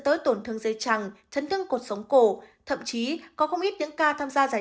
tới tổn thương dây chẳng chấn thương cuộc sống cổ thậm chí có không ít những ca tham gia giải